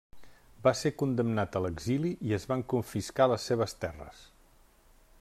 Va ser condemnat a l'exili i es van confiscar les seves terres.